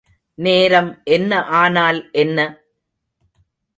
நேரம் என்ன ஆனால் என்ன?